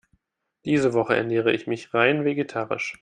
Diese Woche ernähre ich mich rein vegetarisch.